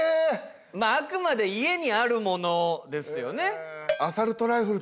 まああくまで家にあるものですよね。